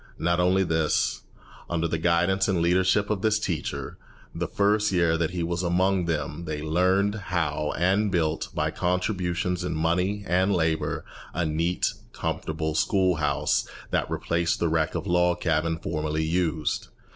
Not only this; under the guidance and leadership of this teacher, the first year that he was among them they learned how and built, by contributions in money and labour, a neat, comfortable school house that replaced the wreck of a log cabin formerly used.